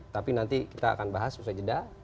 tapi nanti kita akan bahas usai jeda